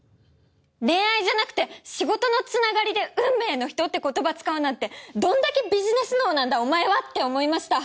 恋愛じゃなくて仕事のつながりで運命の人って言葉使うなんてどんだけビジネス脳なんだお前は！って思いました。